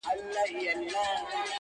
• اوس خورا په خړپ رپيږي ورځ تېرېږي.